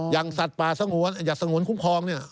สัตว์ป่าสงวนอย่างสงวนคุ้มครองเนี่ย